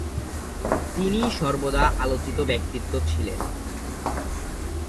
তিনি সর্বদা আলোচিত ব্যক্তিত্ব ছিলেন।